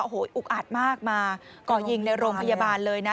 โอ้โหอุกอัดมากมาก่อยิงในโรงพยาบาลเลยนะ